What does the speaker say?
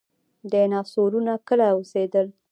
ډیناسورونه کله اوسیدل؟